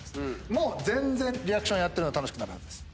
もう全然リアクションやってるのが楽しくなるはずです。